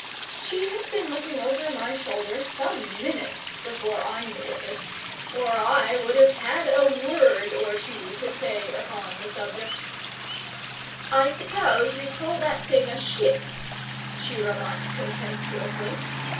She had been looking over my shoulder some minutes before I knew of it; or I would have had a word or two to say upon the subject. "I suppose you call that thing a ship," she remarked contemptuously.